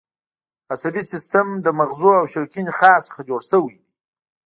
عصبي سیستم له مغزو او شوکي نخاع څخه جوړ شوی دی